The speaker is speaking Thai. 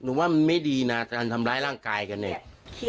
หนูว่ามันไม่ดีนะทำร้ายร่างกายกันเอง